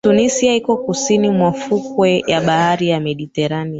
Tunisia iko kusini mwa fukwe ya bahari ya mediterania